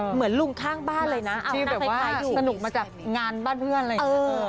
เหมือนลุงข้างบ้านเลยนะเอาที่แบบว่าสนุกมาจากงานบ้านเพื่อนอะไรอย่างนี้